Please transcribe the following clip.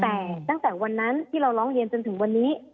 แต่ตั้งแต่วันนั้นที่เราร้องเรียนจนถึงวันนี้